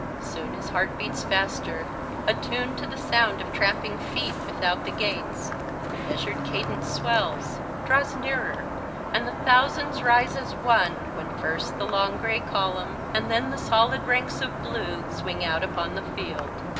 Soon his heart beats faster, attuned to the sound of tramping feet without the gates. The measured cadence swells, draws nearer, and the thousands rise as one, when first the long gray column and then the solid ranks of blue swing out upon the field.